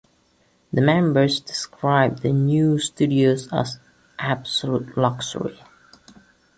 The members described the new studios as "absolute luxury".